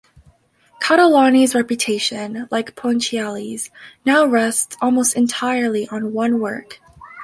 Catalani's reputation, like Ponchielli's, now rests almost entirely on one work.